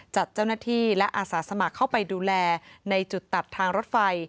จัดเจ้าหน้าที่และอาสาสมัครเข้าไปดูแลในจุดตัดทางรถไฟ